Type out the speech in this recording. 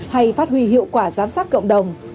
hay phát huy hiệu quả giám sát cộng đồng